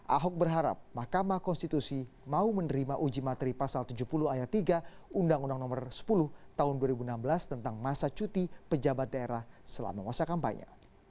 ahok berharap mahkamah konstitusi mau menerima uji materi pasal tujuh puluh ayat tiga undang undang nomor sepuluh tahun dua ribu enam belas tentang masa cuti pejabat daerah selama masa kampanye